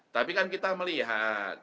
tapi kan kita melihat